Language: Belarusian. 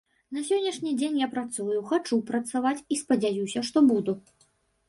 На сённяшні дзень я працую, хачу працаваць, і спадзяюся, што буду.